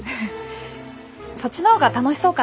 そっちの方が楽しそうかなって。